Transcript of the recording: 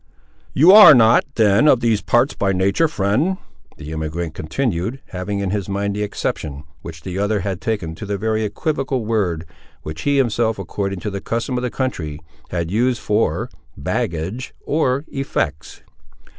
"You ar' not, then, of these parts by natur', friend," the emigrant continued, having in his mind the exception which the other had taken to the very equivocal word, which he himself, according to the custom of the country, had used for "baggage," or "effects."